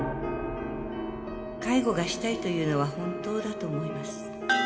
介護がしたいというのは本当だと思います。